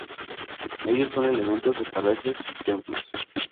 Ellos son elementos de palacios y templos.